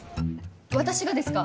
私がですか？